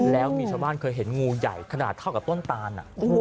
แล้วมีชาวบ้านเคยเห็นงูใหญ่ขนาดเท่ากับต้นตาน